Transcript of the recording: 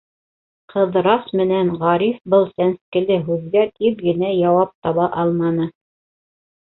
Ҡыҙырас менән Ғариф был сәнскеле һүҙгә тиҙ генә яуап таба алманы.